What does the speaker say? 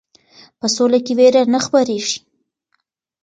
په سوله کې ویره نه خپریږي.